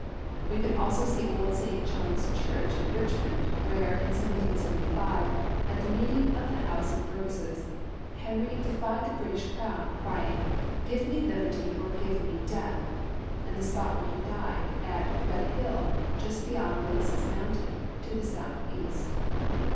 We could also see old St. John's church in Richmond, where, in 1775, at the meeting of the House of Burgesses, Heniy defied the British crown, ciying, '' Give me libert}'' or give me death," and the spot where he died, at " Red Hill," just beyond Willis mountain, to the southeast.